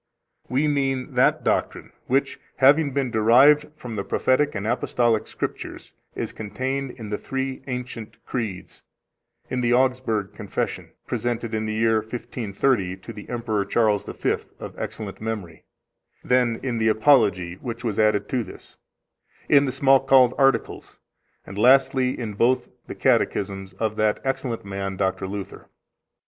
We mean that doctrine, which, having been derived from the Prophetic and Apostolic Scriptures, is contained in the three ancient Creeds, in the Augsburg Confession, presented in the year 1530 to the Emperor Charles V, of excellent memory, then in the Apology, which was added to this, in the Smalcald Articles, and lastly in both the Catechisms of that excellent man, Dr. Luther.